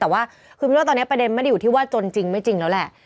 แต่ว่าคือไม่รู้ว่าตอนนี้ประเด็นไม่ได้อยู่ที่ว่าจนจริงไม่จริงแล้วแหละ